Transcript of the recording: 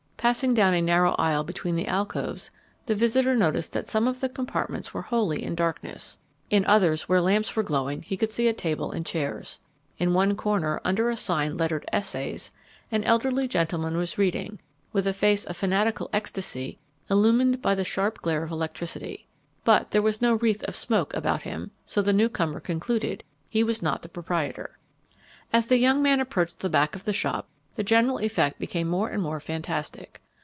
Passing down a narrow aisle between the alcoves the visitor noticed that some of the compartments were wholly in darkness; in others where lamps were glowing he could see a table and chairs. In one corner, under a sign lettered ESSAYS, an elderly gentleman was reading, with a face of fanatical ecstasy illumined by the sharp glare of electricity; but there was no wreath of smoke about him so the newcomer concluded he was not the proprietor. As the young man approached the back of the shop the general effect became more and more fantastic.